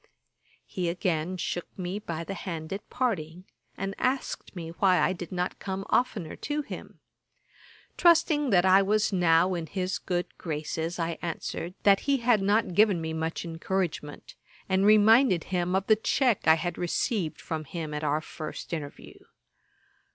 He again shook me by the hand at parting, and asked me why I did not come oftener to him. Trusting that I was now in his good graces, I answered, that he had not given me much encouragement, and reminded him of the check I had received from him at our first interview.